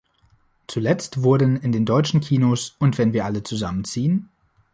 Zuletzt wurden in den deutschen Kinos "Und wenn wir alle zusammenziehen?